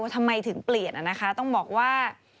ทำไมถึงเปลี่ยนนะคะต้องบอกว่า